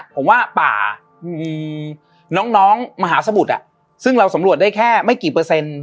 ผมว่าป่าน้องน้องมหาสมุทรซึ่งเราสำรวจได้แค่ไม่กี่เปอร์เซ็นต์